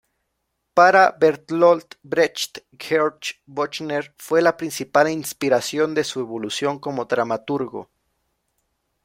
Para Bertolt Brecht Georg Büchner fue la principal inspiración de su evolución como dramaturgo.